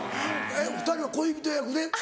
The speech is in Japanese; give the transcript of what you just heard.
２人は恋人役で？